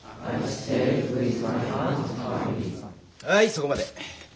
はいそこまで。